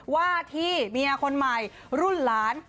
ว่าที่เมียคนใหม่รุ่นหลาน